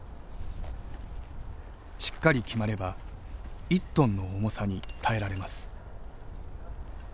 しっかり決まれば１ｔの重さに耐えられます。